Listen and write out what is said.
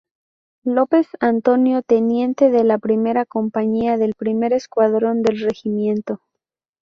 López, Antonio, Teniente de la primera compañía del primer escuadrón del Regimiento.